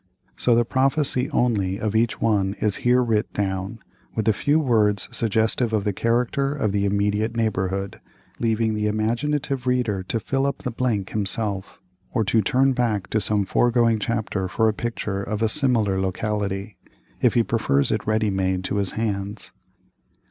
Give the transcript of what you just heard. So the prophecy only of each one is here writ down, with a few words suggestive of the character of the immediate neighborhood, leaving the imaginative reader to fill up the blank himself, or to turn back to some foregoing chapter for a picture of a similar locality, if he prefers it ready made to his hands.